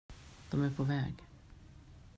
De är på väg.